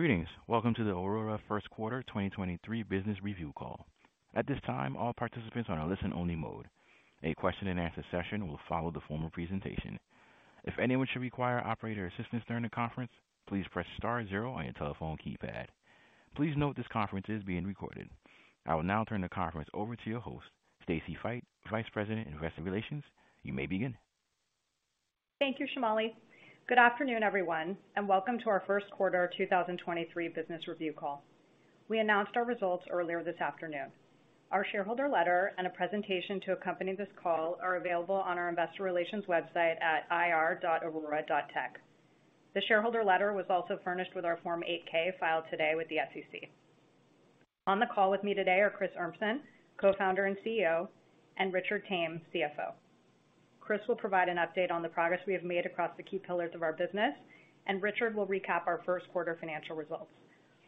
Greetings. Welcome to the Aurora first quarter 2023 business review call. At this time, all participants are on a listen only mode. A question and answer session will follow the formal presentation. If anyone should require operator assistance during the conference, please press star zero on your telephone keypad. Please note this conference is being recorded. I will now turn the conference over to your host, Stacy Feit, Vice President, Investor Relations. You may begin. Thank you, Shamali. Good afternoon, everyone, and welcome to our first quarter 2023 business review call. We announced our results earlier this afternoon. Our shareholder letter and a presentation to accompany this call are available on our investor relations website at ir.aurora.tech. The shareholder letter was also furnished with our Form 8-K filed today with the SEC. On the call with me today are Chris Urmson, Co-founder and CEO, and Richard Tame, CFO. Chris will provide an update on the progress we have made across the key pillars of our business and Richard will recap our first quarter financial results.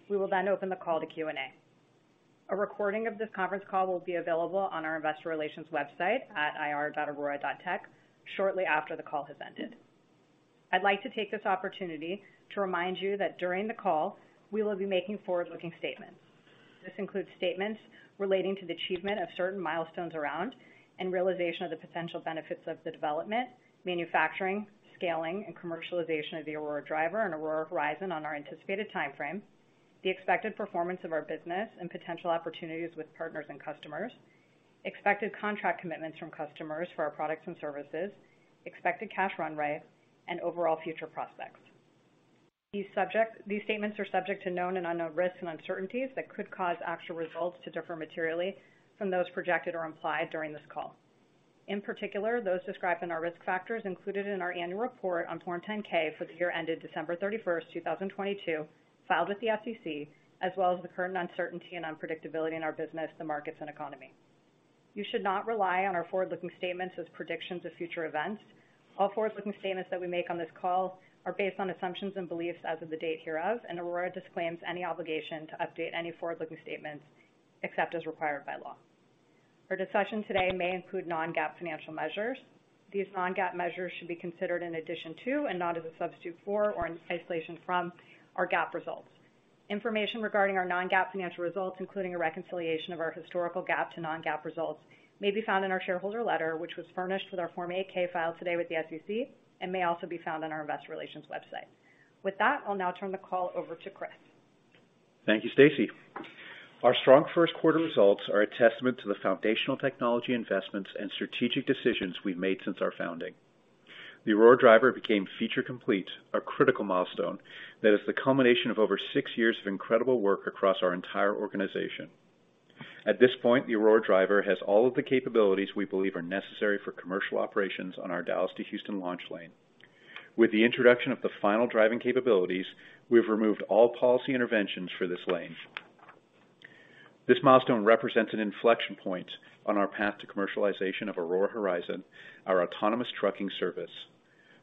We will then open the call to Q&A. A recording of this conference call will be available on our investor relations website at ir.aurora.tech shortly after the call has ended. I'd like to take this opportunity to remind you that during the call we will be making forward-looking statements. This includes statements relating to the achievement of certain milestones around and realization of the potential benefits of the development, manufacturing, scaling and commercialization of the Aurora Driver and Aurora Horizon on our anticipated timeframe, the expected performance of our business and potential opportunities with partners and customers, expected contract commitments from customers for our products and services, expected cash runway and overall future prospects. These statements are subject to known and unknown risks and uncertainties that could cause actual results to differ materially from those projected or implied during this call. In particular, those described in our risk factors included in our annual report on Form 10-K for the year ended December 31st, 2022, filed with the SEC as well as the current uncertainty and unpredictability in our business, the markets and economy. You should not rely on our forward-looking statements as predictions of future events. All forward-looking statements that we make on this call are based on assumptions and beliefs as of the date hereof, and Aurora disclaims any obligation to update any forward-looking statements except as required by law. Our discussion today may include non-GAAP financial measures. These non-GAAP measures should be considered in addition to and not as a substitute for or in isolation from our GAAP results. Information regarding our non-GAAP financial results, including a reconciliation of our historical GAAP to non-GAAP results, may be found in our shareholder letter, which was furnished with our Form 8-K filed today with the SEC and may also be found on our investor relations website. With that, I'll now turn the call over to Chris. Thank you, Stacy Feit. Our strong first quarter results are a testament to the foundational technology investments and strategic decisions we've made since our founding. The Aurora Driver became Feature Complete, a critical milestone that is the culmination of over six years of incredible work across our entire organization. At this point, the Aurora Driver has all of the capabilities we believe are necessary for commercial operations on our Dallas to Houston launch lane. With the introduction of the final driving capabilities, we've removed all policy interventions for this lane. This milestone represents an inflection point on our path to commercialization of Aurora Horizon, our autonomous trucking service.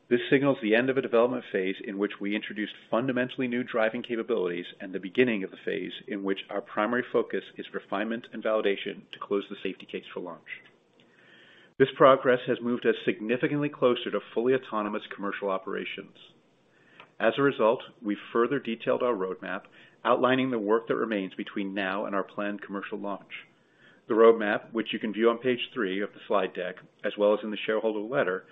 This signals the end of a development phase in which we introduced fundamentally new driving capabilities and the beginning of the phase in which our primary focus is refinement and validation to close the Safety Case for launch. This progress has moved us significantly closer to fully autonomous commercial operations. As a result, we've further detailed our roadmap, outlining the work that remains between now and our planned commercial launch. The roadmap, which you can view on page three of the slide deck as well as in the shareholder letter,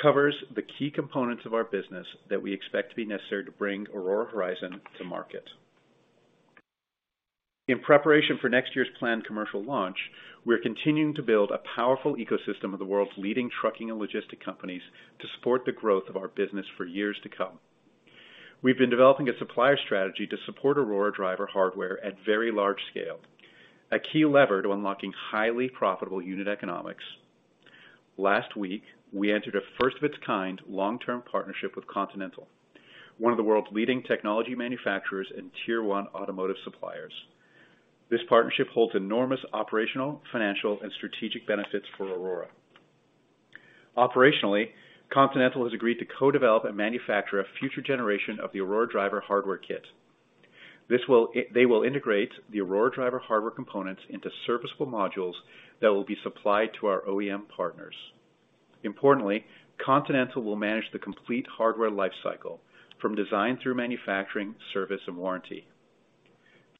covers the key components of our business that we expect to be necessary to bring Aurora Horizon to market. In preparation for next year's planned commercial launch, we're continuing to build a powerful ecosystem of the world's leading trucking and logistics companies to support the growth of our business for years to come. We've been developing a supplier strategy to support Aurora Driver hardware at very large scale, a key lever to unlocking highly profitable unit economics. Last week, we entered a first of its kind long-term partnership with Continental, one of the world's leading technology manufacturers and tier one automotive suppliers. This partnership holds enormous operational, financial, and strategic benefits for Aurora. Operationally, Continental has agreed to co-develop and manufacture a future generation of the Aurora Driver hardware kit. They will integrate the Aurora Driver hardware components into serviceable modules that will be supplied to our OEM partners. Importantly, Continental will manage the complete hardware lifecycle from design through manufacturing, service and warranty.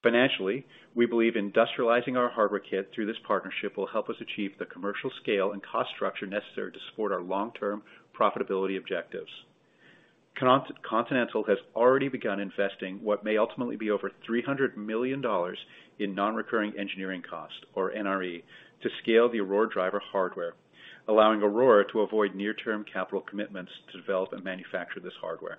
Financially, we believe industrializing our hardware kit through this partnership will help us achieve the commercial scale and cost structure necessary to support our long-term profitability objectives. Continental has already begun investing what may ultimately be over $300 million in non-recurring engineering costs or NRE to scale the Aurora Driver hardware, allowing Aurora to avoid near-term capital commitments to develop and manufacture this hardware.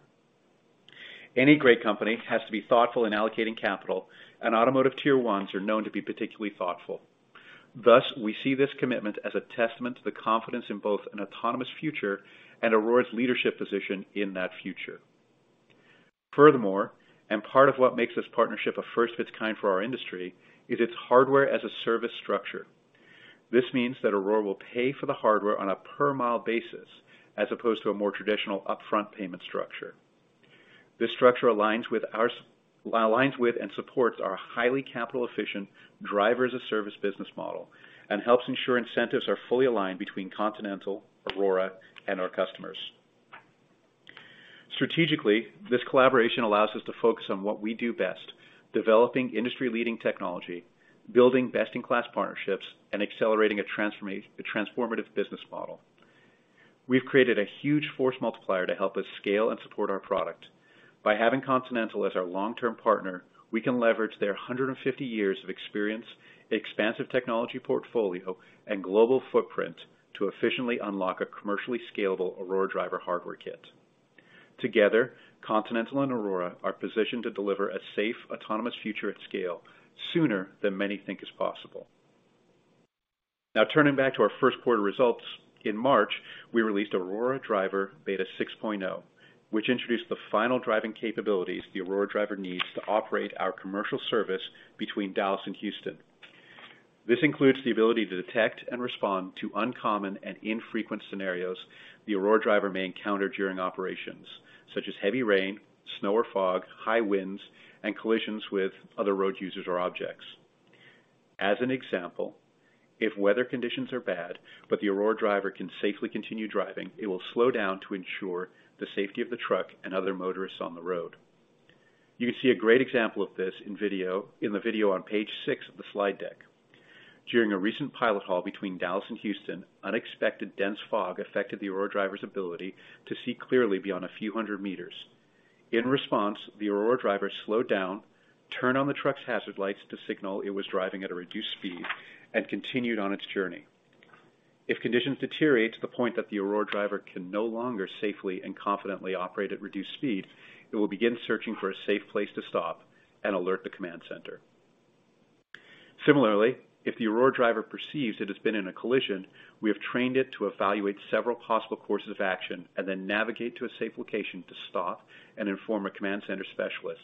Any great company has to be thoughtful in allocating capital, and automotive tier ones are known to be particularly thoughtful. Thus, we see this commitment as a testament to the confidence in both an autonomous future and Aurora's leadership position in that future. Furthermore, and part of what makes this partnership a first of its kind for our industry, is its hardware-as-a-service structure. This means that Aurora will pay for the hardware on a per mile basis as opposed to a more traditional upfront payment structure. This structure aligns with our aligns with and supports our highly capital efficient driver-as-a-service business model and helps ensure incentives are fully aligned between Continental, Aurora, and our customers. Strategically, this collaboration allows us to focus on what we do best, developing industry-leading technology, building best-in-class partnerships, and accelerating a transformation, a transformative business model. We've created a huge force multiplier to help us scale and support our product. By having Continental as our long-term partner, we can leverage their 150 years of experience, expansive technology portfolio, and global footprint to efficiently unlock a commercially scalable Aurora Driver hardware kit. Together, Continental and Aurora are positioned to deliver a safe, autonomous future at scale sooner than many think is possible. Turning back to our first quarter results, in March, we released Aurora Driver Beta 6.0, which introduced the final driving capabilities the Aurora Driver needs to operate our commercial service between Dallas and Houston. This includes the ability to detect and respond to uncommon and infrequent scenarios the Aurora Driver may encounter during operations, such as heavy rain, snow or fog, high winds, and collisions with other road users or objects. As an example, if weather conditions are bad but the Aurora Driver can safely continue driving, it will slow down to ensure the safety of the truck and other motorists on the road. You can see a great example of this in the video on page six of the slide deck. During a recent pilot haul between Dallas and Houston, unexpected dense fog affected the Aurora Driver's ability to see clearly beyond a few hundred meters. In response, the Aurora Driver slowed down, turned on the truck's hazard lights to signal it was driving at a reduced speed, and continued on its journey. If conditions deteriorate to the point that the Aurora Driver can no longer safely and confidently operate at reduced speed, it will begin searching for a safe place to stop and alert the command center. Similarly, if the Aurora Driver perceives it has been in a collision, we have trained it to evaluate several possible courses of action and then navigate to a safe location to stop and inform a command center specialist.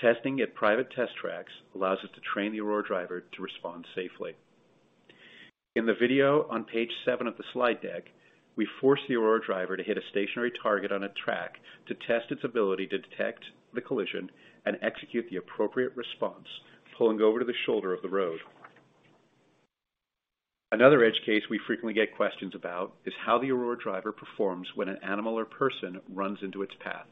Testing at private test tracks allows us to train the Aurora Driver to respond safely. In the video on page seven of the slide deck, we force the Aurora Driver to hit a stationary target on a track to test its ability to detect the collision and execute the appropriate response, pulling over to the shoulder of the road. Another edge case we frequently get questions about is how the Aurora Driver performs when an animal or person runs into its path.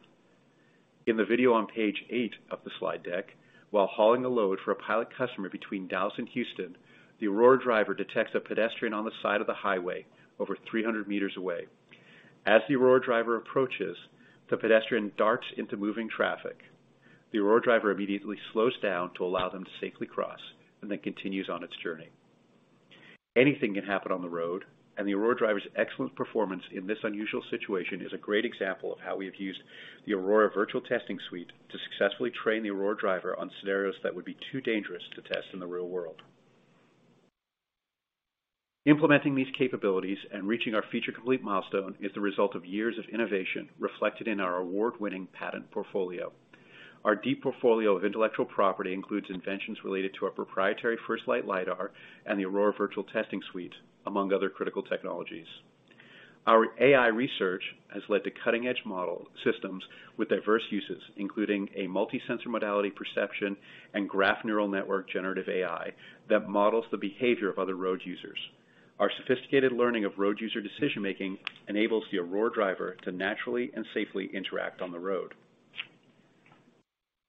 In the video on page eight of the slide deck, while hauling a load for a pilot customer between Dallas and Houston, the Aurora Driver detects a pedestrian on the side of the highway over 300 meters away. As the Aurora Driver approaches, the pedestrian darts into moving traffic. The Aurora Driver immediately slows down to allow them to safely cross and then continues on its journey. Anything can happen on the road. The Aurora Driver's excellent performance in this unusual situation is a great example of how we have used the Aurora Virtual Testing Suite to successfully train the Aurora Driver on scenarios that would be too dangerous to test in the real world. Implementing these capabilities and reaching our Feature Complete milestone is the result of years of innovation reflected in our award-winning patent portfolio. Our deep portfolio of intellectual property includes inventions related to our proprietary FirstLight Lidar and the Aurora Virtual Testing Suite, among other critical technologies. Our AI research has led to cutting-edge model systems with diverse uses, including a multi-sensor modality perception and graph neural network generative AI that models the behavior of other road users. Our sophisticated learning of road user decision-making enables the Aurora Driver to naturally and safely interact on the road.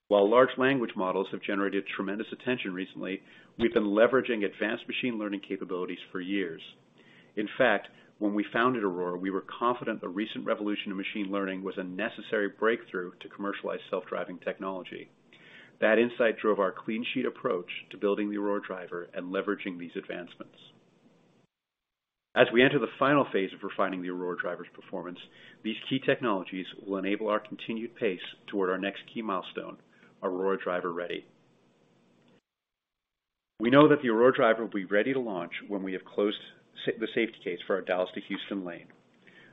While large language models have generated tremendous attention recently, we've been leveraging advanced machine learning capabilities for years. In fact, when we founded Aurora, we were confident the recent revolution in machine learning was a necessary breakthrough to commercialize self-driving technology. That insight drove our clean sheet approach to building the Aurora Driver and leveraging these advancements. As we enter the final phase of refining the Aurora Driver's performance, these key technologies will enable our continued pace toward our next key milestone, Aurora Driver Ready. We know that the Aurora Driver will be ready to launch when we have closed the Safety Case for our Dallas to Houston lane.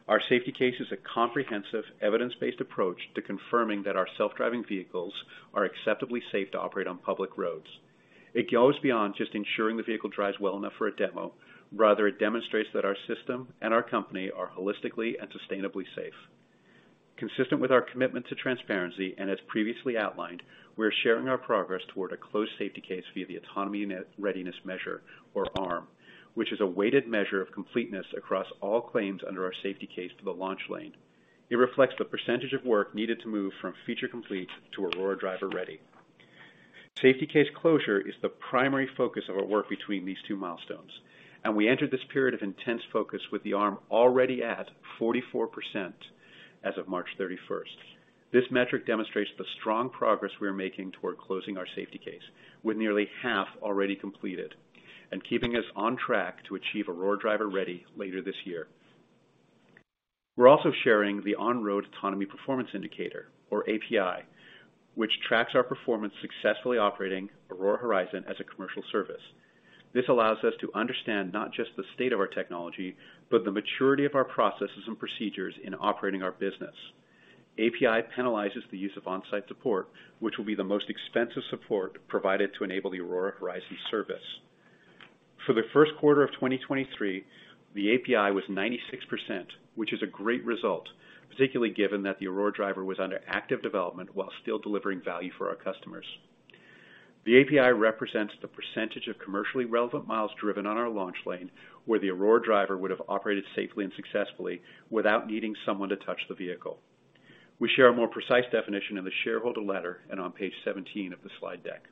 Our Safety Case is a comprehensive, evidence-based approach to confirming that our self-driving vehicles are acceptably safe to operate on public roads. It goes beyond just ensuring the vehicle drives well enough for a demo. Rather, it demonstrates that our system and our company are holistically and sustainably safe. Consistent with our commitment to transparency, and as previously outlined, we are sharing our progress toward a closed Safety Case via the Autonomy Readiness Measure, or ARM, which is a weighted measure of completeness across all claims under our Safety Case for the launch lane. It reflects the percentage of work needed to move from Feature Complete to Aurora Driver Ready. Safety Case closure is the primary focus of our work between these two milestones, and we entered this period of intense focus with the ARM already at 44% as of March 31st. This metric demonstrates the strong progress we are making toward closing our Safety Case with nearly half already completed and keeping us on track to achieve Aurora Driver Ready later this year. We're also sharing the on-road Autonomy Performance Indicator or API, which tracks our performance successfully operating Aurora Horizon as a commercial service. This allows us to understand not just the state of our technology, but the maturity of our processes and procedures in operating our business. API penalizes the use of on-site support, which will be the most expensive support provided to enable the Aurora Horizon service. For the first quarter of 2023, the API was 96%, which is a great result, particularly given that the Aurora Driver was under active development while still delivering value for our customers. The API represents the percentage of commercially relevant miles driven on our launch lane, where the Aurora Driver would have operated safely and successfully without needing someone to touch the vehicle. We share a more precise definition in the shareholder letter and on page 17 of the slide deck.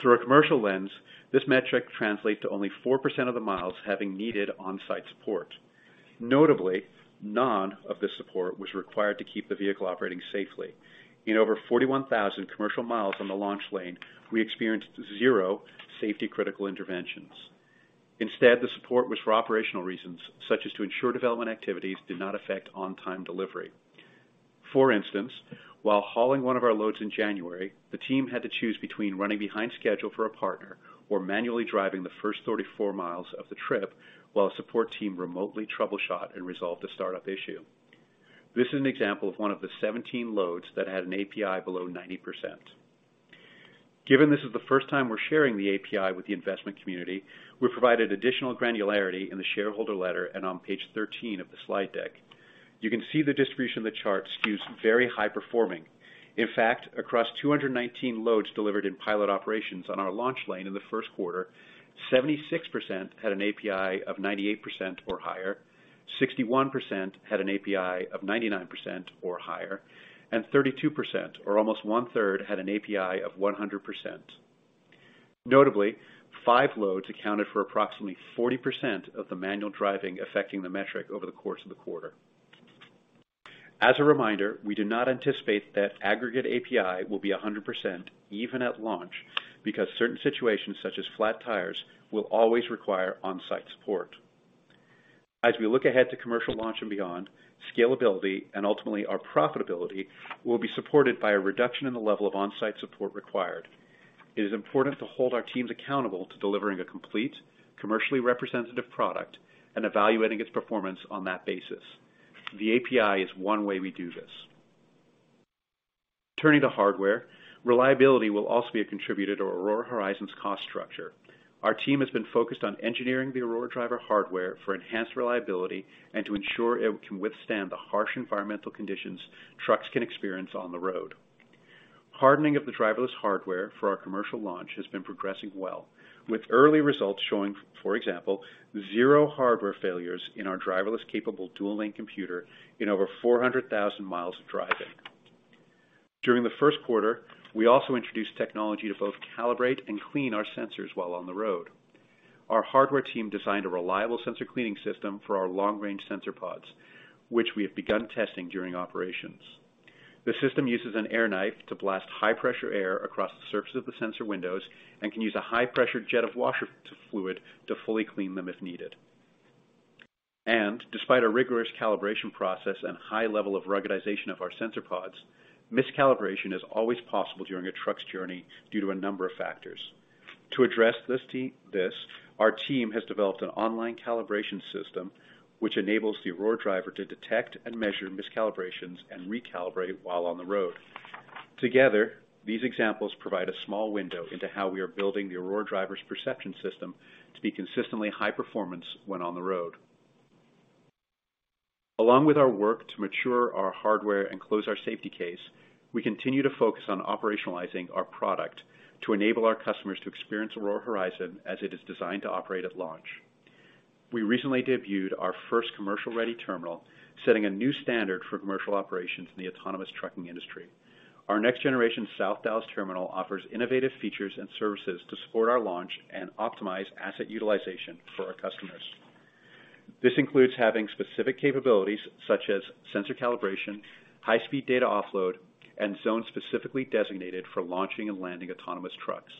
Through a commercial lens, this metric translates to only 4% of the miles having needed on-site support. Notably, none of the support was required to keep the vehicle operating safely. In over 41,000 commercial miles on the launch lane, we experienced zero safety-critical interventions. Instead, the support was for operational reasons, such as to ensure development activities did not affect on-time delivery. For instance, while hauling one of our loads in January, the team had to choose between running behind schedule for a partner or manually driving the first 34 miles of the trip while a support team remotely troubleshot and resolved a startup issue. This is an example of one of the 17 loads that had an API below 90%. Given this is the first time we're sharing the API with the investment community, we provided additional granularity in the shareholder letter and on page 13 of the slide deck. You can see the distribution of the chart skews very high performing. In fact, across 219 loads delivered in pilot operations on our launch lane in the first quarter, 76% had an API of 98% or higher, 61% had an API of 99% or higher, and 32% or almost one-third had an API of 100%. Notably, 5 loads accounted for approximately 40% of the manual driving affecting the metric over the course of the quarter. As a reminder, we do not anticipate that aggregate API will be 100% even at launch, because certain situations, such as flat tires will always require on-site support. As we look ahead to commercial launch and beyond, scalability and ultimately our profitability will be supported by a reduction in the level of on-site support required. It is important to hold our teams accountable to delivering a complete commercially representative product and evaluating its performance on that basis. The API is one way we do this. Turning to hardware, reliability will also be a contributor to Aurora Horizon's cost structure. Our team has been focused on engineering the Aurora Driver hardware for enhanced reliability and to ensure it can withstand the harsh environmental conditions trucks can experience on the road. Hardening of the driverless hardware for our commercial launch has been progressing well, with early results showing, for example, zero hardware failures in our driverless-capable dual computer in over 400,000 miles of driving. During the first quarter, we also introduced technology to both calibrate and clean our sensors while on the road. Our hardware team designed a reliable sensor cleaning system for our long-range sensor pods, which we have begun testing during operations. The system uses an air knife to blast high-pressure air across the surface of the sensor windows and can use a high-pressure jet of washer fluid to fully clean them if needed. Despite a rigorous calibration process and high level of ruggedization of our sensor pods, miscalibration is always possible during a truck's journey due to a number of factors. To address this, our team has developed an online calibration system which enables the Aurora Driver to detect and measure miscalibrations and recalibrate while on the road. Together, these examples provide a small window into how we are building the Aurora Driver's perception system to be consistently high performance when on the road. Along with our work to mature our hardware and close our Safety Case, we continue to focus on operationalizing our product to enable our customers to experience Aurora Horizon as it is designed to operate at launch. We recently debuted our first commercial ready terminal, setting a new standard for commercial operations in the autonomous trucking industry. Our next generation South Dallas terminal offers innovative features and services to support our launch and optimize asset utilization for our customers. This includes having specific capabilities such as sensor calibration, high-speed data offload, and zones specifically designated for launching and landing autonomous trucks.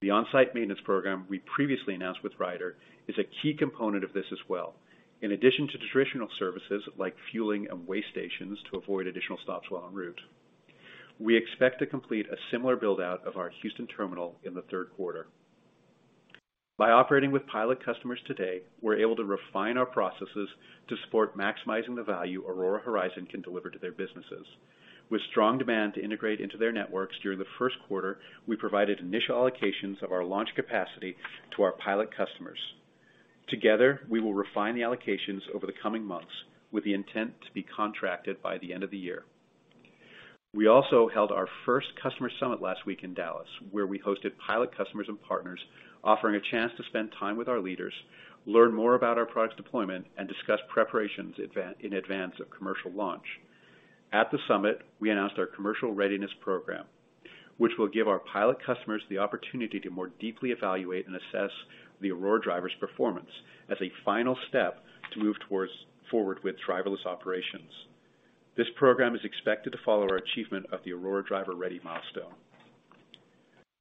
The on-site maintenance program we previously announced with Ryder is a key component of this as well. In addition to traditional services like fueling and weigh stations to avoid additional stops while on route, we expect to complete a similar build-out of our Houston terminal in the third quarter. By operating with pilot customers today, we're able to refine our processes to support maximizing the value Aurora Horizon can deliver to their businesses. With strong demand to integrate into their networks during the first quarter, we provided initial allocations of our launch capacity to our pilot customers. Together, we will refine the allocations over the coming months with the intent to be contracted by the end of the year. We also held our first customer summit last week in Dallas, where we hosted pilot customers and partners, offering a chance to spend time with our leaders, learn more about our product deployment, and discuss preparations in advance of commercial launch. At the summit, we announced our Commercial Readiness Program, which will give our pilot customers the opportunity to more deeply evaluate and assess the Aurora Driver's performance as a final step to move forward with driverless operations. This program is expected to follow our achievement of the Aurora Driver Ready milestone.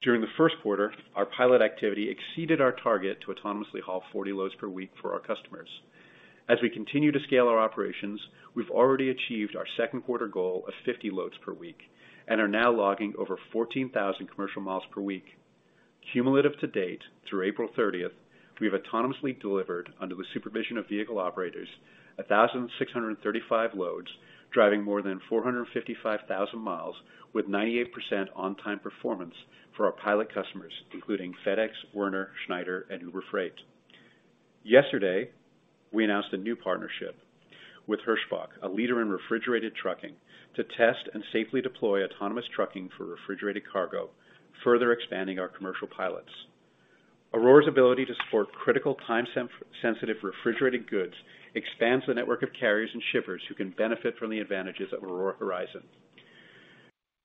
During the first quarter, our pilot activity exceeded our target to autonomously haul 40 loads per week for our customers. We continue to scale our operations, we've already achieved our second quarter goal of 50 loads per week and are now logging over 14,000 commercial miles per week. Cumulative to date through April 30th, we have autonomously delivered, under the supervision of vehicle operators, 1,635 loads, driving more than 455,000 miles with 98% on-time performance for our pilot customers, including FedEx, Werner, Schneider, and Uber Freight. Yesterday, we announced a new partnership with Hirschbach, a leader in refrigerated trucking, to test and safely deploy autonomous trucking for refrigerated cargo, further expanding our commercial pilots. Aurora's ability to support critical time-sensitive refrigerated goods expands the network of carriers and shippers who can benefit from the advantages of Aurora Horizon.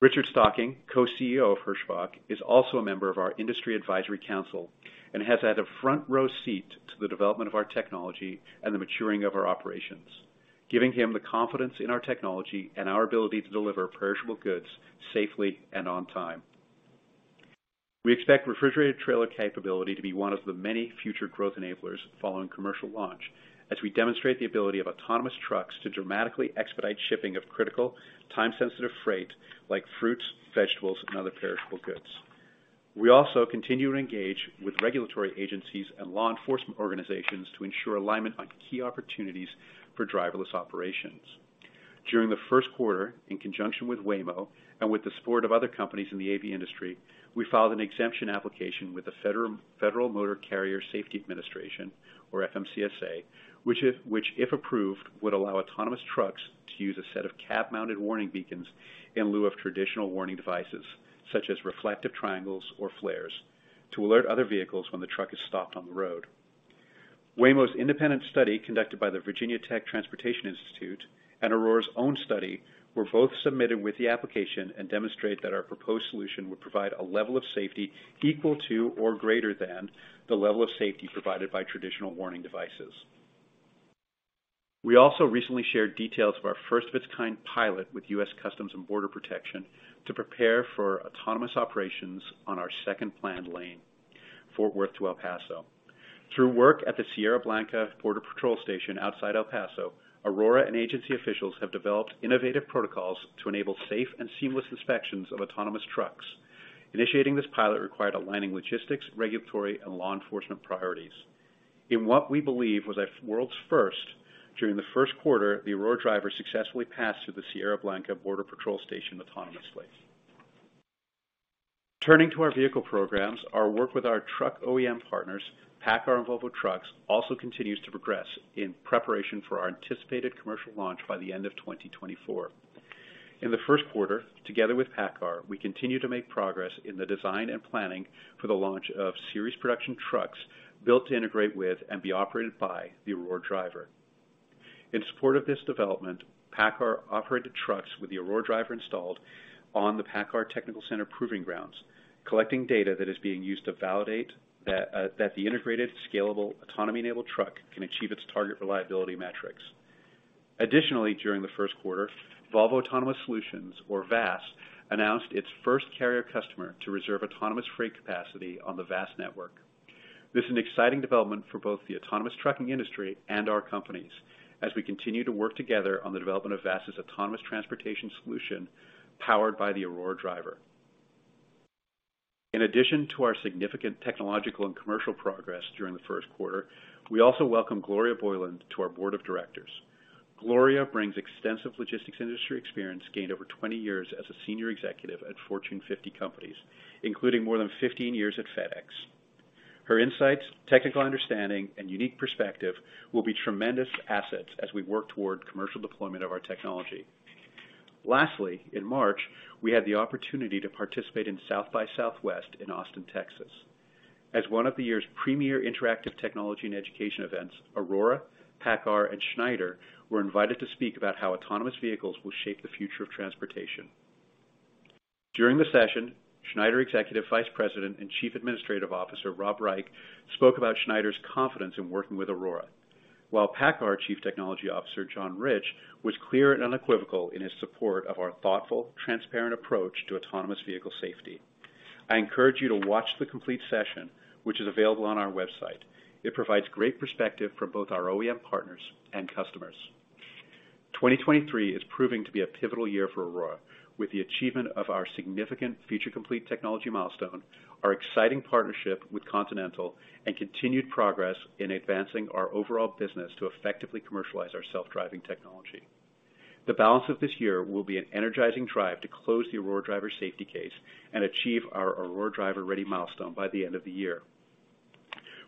Richard Stocking, Co-CEO of Hirschbach, is also a member of our industry advisory council and has had a front row seat to the development of our technology and the maturing of our operations, giving him the confidence in our technology and our ability to deliver perishable goods safely and on time. We expect refrigerated trailer capability to be one of the many future growth enablers following commercial launch as we demonstrate the ability of autonomous trucks to dramatically expedite shipping of critical, time-sensitive freight, like fruits, vegetables, and other perishable goods. We also continue to engage with regulatory agencies and law enforcement organizations to ensure alignment on key opportunities for driverless operations. During the first quarter, in conjunction with Waymo and with the support of other companies in the AV industry, we filed an exemption application with the Federal Motor Carrier Safety Administration, or FMCSA, which if approved, would allow autonomous trucks to use a set of cab-mounted warning beacons in lieu of traditional warning devices, such as reflective triangles or flares, to alert other vehicles when the truck is stopped on the road. Waymo's independent study, conducted by the Virginia Tech Transportation Institute, and Aurora's own study were both submitted with the application and demonstrate that our proposed solution would provide a level of safety equal to or greater than the level of safety provided by traditional warning devices. We also recently shared details of our first-of-its-kind pilot with U.S. Customs and Border Protection to prepare for autonomous operations on our second planned lane, Fort Worth to El Paso. Through work at the Sierra Blanca Border Patrol Station outside El Paso, Aurora and agency officials have developed innovative protocols to enable safe and seamless inspections of autonomous trucks. Initiating this pilot required aligning logistics, regulatory, and law enforcement priorities. In what we believe was a world's first, during the first quarter, the Aurora Driver successfully passed through the Sierra Blanca Border Patrol Station autonomously. Turning to our vehicle programs, our work with our truck OEM partners, PACCAR and Volvo Trucks, also continues to progress in preparation for our anticipated commercial launch by the end of 2024. In the first quarter, together with PACCAR, we continued to make progress in the design and planning for the launch of series production trucks built to integrate with and be operated by the Aurora Driver. In support of this development, PACCAR operated trucks with the Aurora Driver installed on the PACCAR Technical Center proving grounds, collecting data that is being used to validate that the integrated, scalable, autonomy-enabled truck can achieve its target reliability metrics. Additionally, during the first quarter, Volvo Autonomous Solutions, or VAS, announced its first carrier customer to reserve autonomous freight capacity on the VAS network. This is an exciting development for both the autonomous trucking industry and our companies as we continue to work together on the development of VAS's autonomous transportation solution, powered by the Aurora Driver. In addition to our significant technological and commercial progress during the 1st quarter, we also welcomed Gloria Boyland to our board of directors. Gloria brings extensive logistics industry experience gained over 20 years as a senior executive at Fortune 50 companies, including more than 15 years at FedEx. Her insights, technical understanding, and unique perspective will be tremendous assets as we work toward commercial deployment of our technology. In March, we had the opportunity to participate in South by Southwest in Austin, Texas. As one of the year's premier interactive technology and education events, Aurora, PACCAR, and Schneider were invited to speak about how autonomous vehicles will shape the future of transportation. During the session, Schneider Executive Vice President and Chief Administrative Officer Rob Reich spoke about Schneider's confidence in working with Aurora, while PACCAR Chief Technology Officer John Rich was clear and unequivocal in his support of our thoughtful, transparent approach to autonomous vehicle safety. I encourage you to watch the complete session, which is available on our website. It provides great perspective from both our OEM partners and customers. 2023 is proving to be a pivotal year for Aurora, with the achievement of our significant Feature Complete technology milestone, our exciting partnership with Continental, and continued progress in advancing our overall business to effectively commercialize our self-driving technology. The balance of this year will be an energizing drive to close the Aurora Driver Safety Case and achieve our Aurora Driver Ready milestone by the end of the year.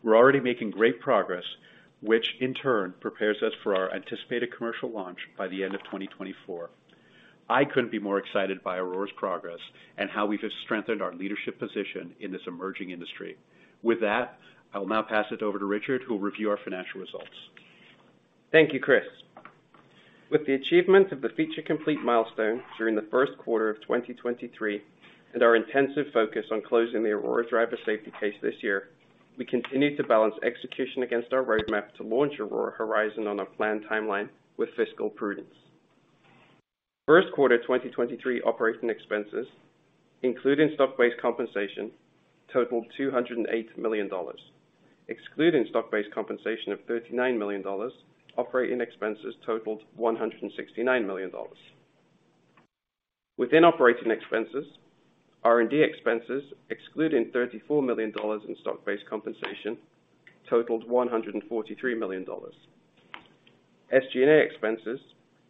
We're already making great progress, which in turn prepares us for our anticipated commercial launch by the end of 2024. I couldn't be more excited by Aurora's progress and how we have strengthened our leadership position in this emerging industry. I will now pass it over to Richard, who will review our financial results. Thank you, Chris. With the achievement of the Feature Complete milestone during the first quarter of 2023 and our intensive focus on closing the Aurora Driver Safety Case this year, we continue to balance execution against our roadmap to launch Aurora Horizon on a planned timeline with fiscal prudence. First quarter 2023 operating expenses, including stock-based compensation, totaled $208 million. Excluding stock-based compensation of $39 million, operating expenses totaled $169 million. Within operating expenses, R&D expenses, excluding $34 million in stock-based compensation, totaled $143 million. SG&A expenses,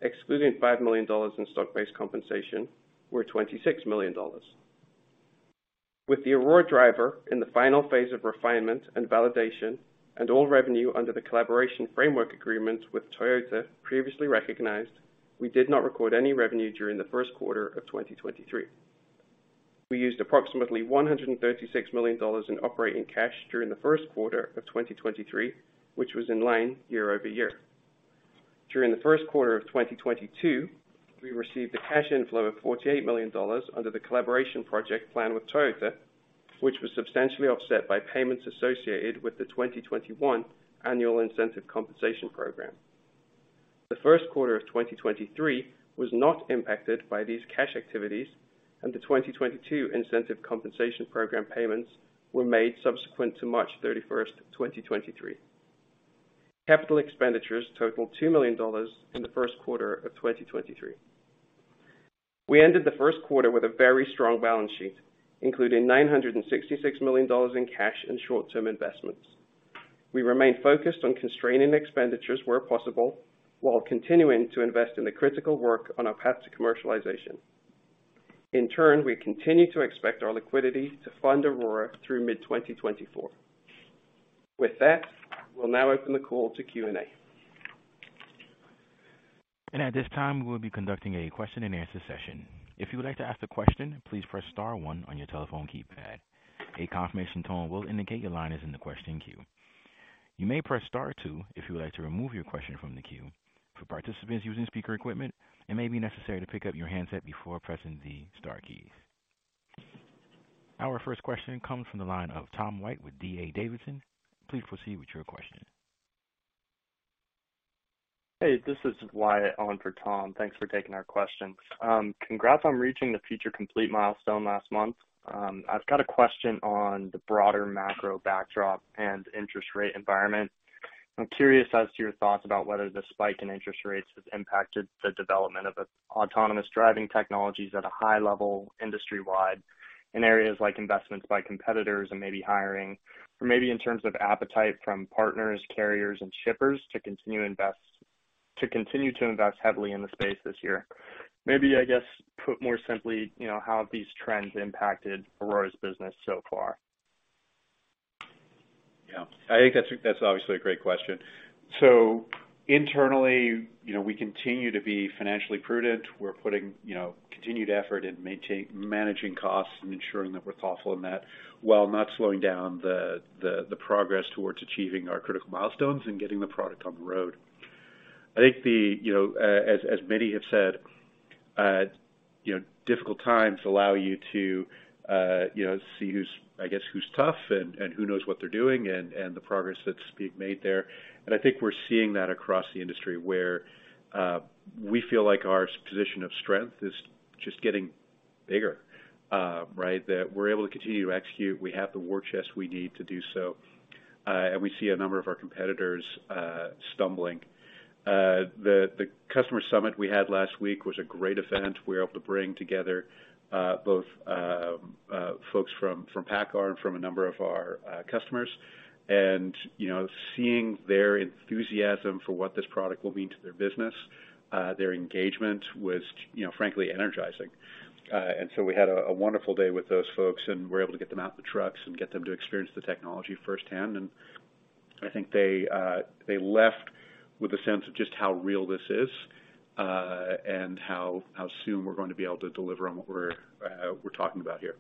excluding $5 million in stock-based compensation, were $26 million. With the Aurora Driver in the final phase of refinement and validation and all revenue under the Collaboration Framework Agreement with Toyota previously recognized, we did not record any revenue during the first quarter of 2023. We used approximately $136 million in operating cash during the first quarter of 2023, which was in line year-over-year. During the first quarter of 2022, we received a cash inflow of $48 million under the collaboration project plan with Toyota, which was substantially offset by payments associated with the 2021 annual incentive compensation program. The first quarter of 2023 was not impacted by these cash activities, the 2022 incentive compensation program payments were made subsequent to March 31st, 2023. Capital expenditures totaled $2 million in the first quarter of 2023. We ended the first quarter with a very strong balance sheet, including $966 million in cash and short-term investments. We remain focused on constraining expenditures where possible while continuing to invest in the critical work on our path to commercialization. In turn, we continue to expect our liquidity to fund Aurora through mid-2024. With that, we'll now open the call to Q&A. At this time, we'll be conducting a question-and-answer session. If you would like to ask a question, please press star one on your telephone keypad. A confirmation tone will indicate your line is in the question queue. You may press star two if you would like to remove your question from the queue. For participants using speaker equipment, it may be necessary to pick up your handset before pressing the star keys. Our first question comes from the line of Tom White with D.A. Davidson. Please proceed with your question. Hey, this is Wyatt on for Tom. Thanks for taking our questions. Congrats on reaching the Feature Complete milestone last month. I've got a question on the broader macro backdrop and interest rate environment. I'm curious as to your thoughts about whether the spike in interest rates has impacted the development of the autonomous driving technologies at a high level industry-wide in areas like investments by competitors and maybe hiring, or maybe in terms of appetite from partners, carriers, and shippers to continue to invest heavily in the space this year. Maybe, I guess, put more simply, you know, how have these trends impacted Aurora's business so far? Yeah. I think that's obviously a great question. Internally, you know, we continue to be financially prudent. We're putting, you know, continued effort in managing costs and ensuring that we're thoughtful in that, while not slowing down the progress towards achieving our critical milestones and getting the product on the road. I think the, you know, as many have said, you know, difficult times allow you to, you know, see who's, I guess, who's tough and who knows what they're doing and the progress that's being made there. I think we're seeing that across the industry where we feel like our position of strength is just getting bigger, right? That we're able to continue to execute. We have the war chest we need to do so. We see a number of our competitors stumbling. The customer summit we had last week was a great event. We were able to bring together both folks from PACCAR and from a number of our customers, and, you know, seeing their enthusiasm for what this product will mean to their business, their engagement was, you know, frankly energizing. We had a wonderful day with those folks, and we're able to get them out in the trucks and get them to experience the technology firsthand. I think they left with a sense of just how real this is, and how soon we're going to be able to deliver on what we're talking about here.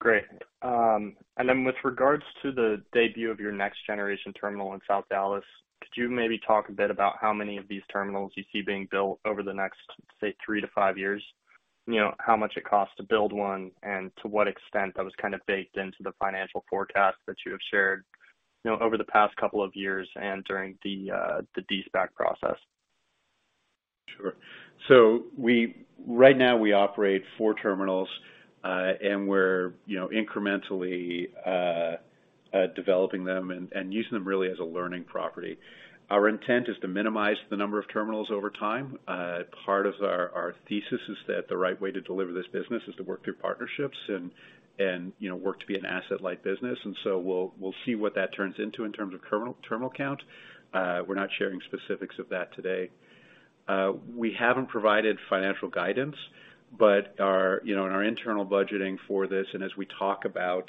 Great. With regards to the debut of your next generation terminal in South Dallas, could you maybe talk a bit about how many of these terminals you see being built over the next, say, three-five years? You know, how much it costs to build one and to what extent that was kinda baked into the financial forecast that you have shared, you know, over the past couple of years and during the de-SPAC process? Sure. Right now we operate four terminals, and we're, you know, incrementally developing them and using them really as a learning property. Our intent is to minimize the number of terminals over time. Part of our thesis is that the right way to deliver this business is to work through partnerships and, you know, work to be an asset-light business. We'll see what that turns into in terms of terminal count. We're not sharing specifics of that today. We haven't provided financial guidance, but our, you know, and our internal budgeting for this, and as we talk about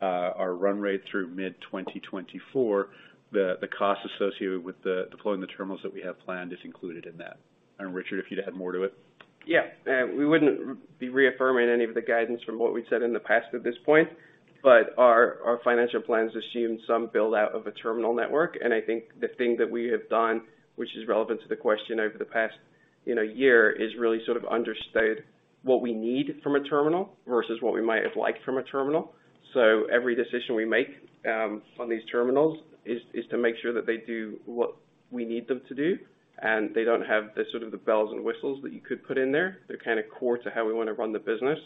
our run rate through mid-2024, the cost associated with the deploying the terminals that we have planned is included in that. Richard, if you'd add more to it. Yeah. We wouldn't be reaffirming any of the guidance from what we've said in the past at this point, but our financial plans assume some build-out of a terminal network. I think the thing that we have done, which is relevant to the question over the past, you know, year, is really sort of understood what we need from a terminal versus what we might have liked from a terminal. Every decision we make on these terminals is to make sure that they do what we need them to do, and they don't have the sort of the bells and whistles that you could put in there. They're kinda core to how we wanna run the business.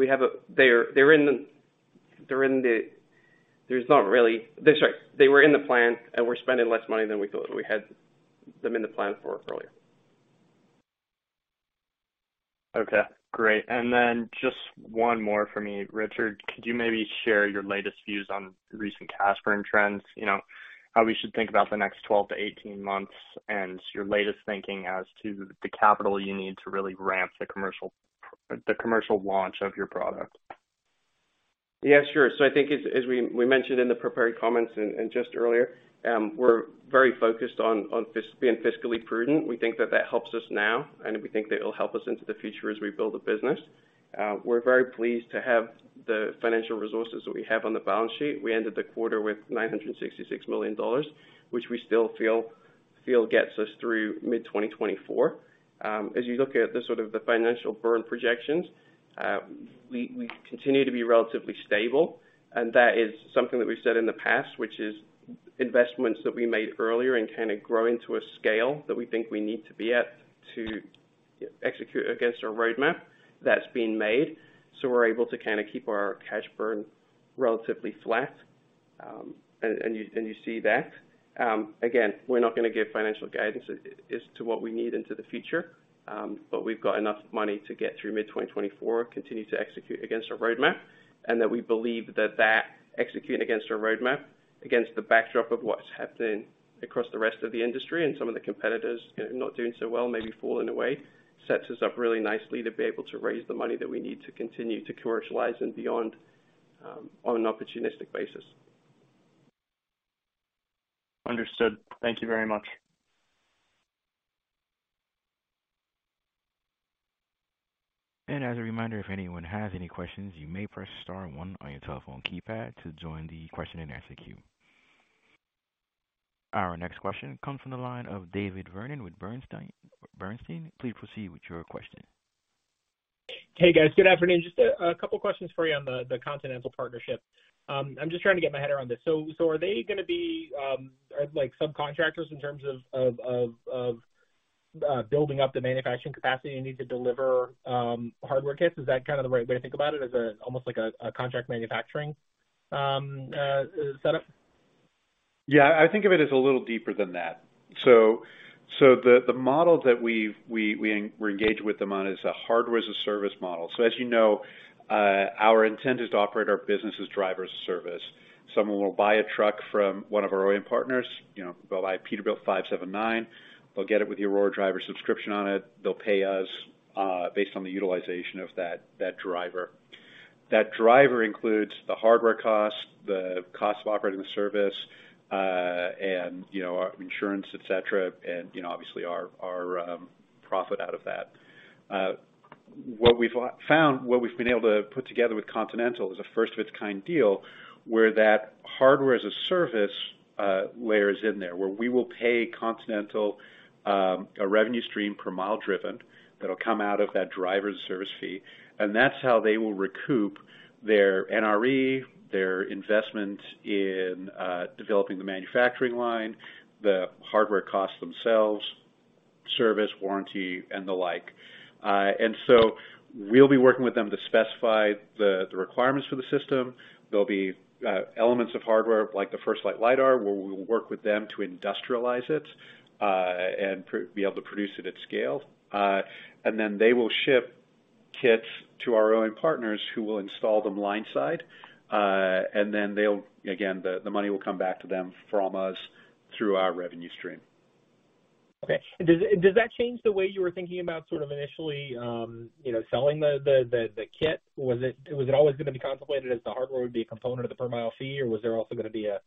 We have a they're in the there's not really. Sorry. They were in the plan, and we're spending less money than we thought we had them in the plan for earlier. Okay, great. Then just one more for me, Richard. Could you maybe share your latest views on recent cash burn trends? You know, how we should think about the next 12 to 18 months, and your latest thinking as to the capital you need to really ramp the commercial launch of your product. Yeah, sure. I think as we mentioned in the prepared comments and just earlier, we're very focused on being fiscally prudent. We think that that helps us now, and we think that it'll help us into the future as we build the business. We're very pleased to have the financial resources that we have on the balance sheet. We ended the quarter with $966 million, which we still feel gets us through mid-2024. As you look at the sort of the financial burn projections, we continue to be relatively stable, and that is something that we've said in the past, which is investments that we made earlier and kind of growing to a scale that we think we need to be at to execute against our roadmap that's been made. We're able to kinda keep our cash burn relatively flat. You see that. Again, we're not gonna give financial guidance as to what we need into the future, but we've got enough money to get through mid-2024, continue to execute against our roadmap, and that we believe that executing against our roadmap, against the backdrop of what's happening across the rest of the industry and some of the competitors not doing so well, maybe falling away, sets us up really nicely to be able to raise the money that we need to continue to commercialize and beyond, on an opportunistic basis. Understood. Thank you very much. As a reminder, if anyone has any questions, you may press star one on your telephone keypad to join the question-and-answer queue. Our next question comes from the line of David Vernon with Bernstein. Please proceed with your question. Hey, guys. Good afternoon. Just a couple questions for you on the Continental partnership. I'm just trying to get my head around this. Are they gonna be like subcontractors in terms of building up the manufacturing capacity you need to deliver hardware kits? Is that kinda the right way to think about it, as almost like a contract manufacturing setup? Yeah, I think of it as a little deeper than that. The model that we're engaged with them on is a hardware-as-a-service model. As you know, our intent is to operate our business as Driver-as-a-Service. Someone will buy a truck from one of our OEM partners. You know, they'll buy a Peterbilt Model 579. They'll get it with the Aurora Driver subscription on it. They'll pay us based on the utilization of that driver. That driver includes the hardware costs, the cost of operating the service, and, you know, insurance, et cetera, and, you know, obviously our profit out of that. What we've found, what we've been able to put together with Continental is a first of its kind deal where that hardware as a service layer is in there, where we will pay Continental a revenue stream per mile driven that'll come out of that driver's service fee. That's how they will recoup their NRE, their investment in developing the manufacturing line, the hardware costs themselves, service, warranty, and the like. So we'll be working with them to specify the requirements for the system. There'll be elements of hardware, like the FirstLight Lidar, where we will work with them to industrialize it and be able to produce it at scale. Then they will ship kits to our OEM partners who will install them line side. Then they'll, again, the money will come back to them from us through our revenue stream. Okay. Does that change the way you were thinking about sort of initially, you know, selling the kit? Was it always gonna be contemplated as the hardware would be a component of the per mile fee, or was there also gonna be a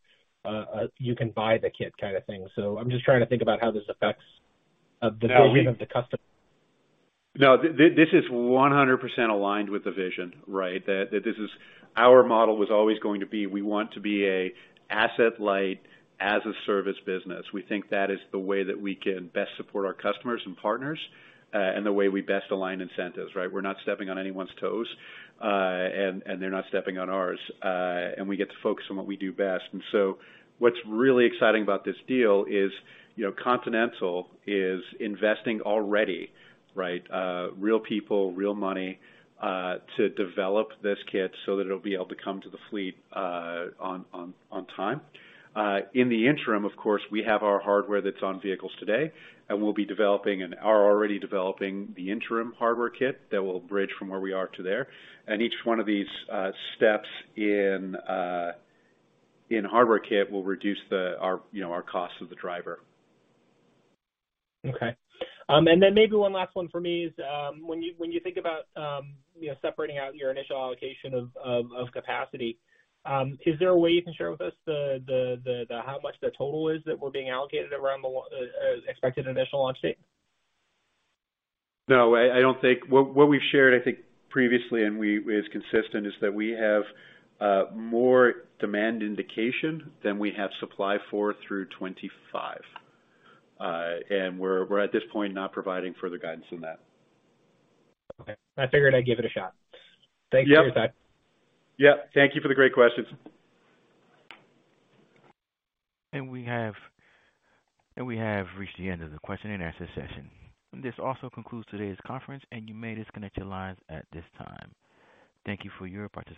you can buy the kit kinda thing? I'm just trying to think about how this affects. No. Delivery of the custom- No. This is 100% aligned with the vision, right? That this is our model was always going to be, we want to be a asset light as a service business. We think that is the way that we can best support our customers and partners, and the way we best align incentives, right? We're not stepping on anyone's toes, and they're not stepping on ours. We get to focus on what we do best. What's really exciting about this deal is, you know, Continental is investing already, right, real people, real money, to develop this kit so that it'll be able to come to the fleet, on time. In the interim, of course, we have our hardware that's on vehicles today, and we'll be developing and are already developing the interim hardware kit that will bridge from where we are to there. Each one of these steps in hardware kit will reduce the, our, you know, our cost of the Driver. Okay. Maybe one last one for me is, when you think about, you know, separating out your initial allocation of capacity, is there a way you can share with us the how much the total is that we're being allocated around the expected initial launch date? No, I don't think. What we've shared, I think, previously, and we is consistent, is that we have more demand indication than we have supply for through 25. We're at this point not providing further guidance than that. Okay. I figured I'd give it a shot. Yep. Thank you for your time. Yep. Thank you for the great questions. We have reached the end of the question and answer session. This also concludes today's conference, and you may disconnect your lines at this time. Thank you for your participation.